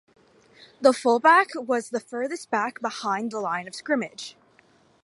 The "fullback" was the furthest back behind the line of scrimmage.